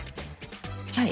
はい。